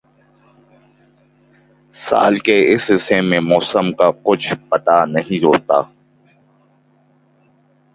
سال کے اس حصے میں موسم کا کچھ پتا نہیں ہوتا